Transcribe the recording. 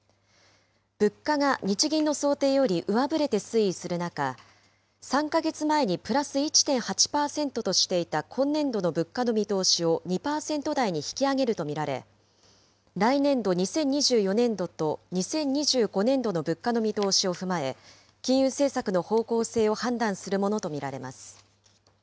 物価が日銀の想定より上振れて推移する中、３か月前にプラス１．８％としていた今年度の物価の見通しを２％台に引き上げると見られ、来年度・２０２４年度と２０２５年度の物価の見通しを踏まえ、金融政策の方向性を判断するものと見られます。